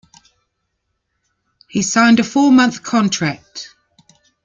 He signed a four-month contract.